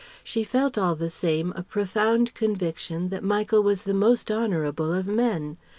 She felt all the same a profound conviction that Michael was the most honourable of men.